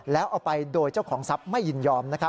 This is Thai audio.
แล้วเอาไปโดยเจ้าของทรัพย์ไม่ยินยอม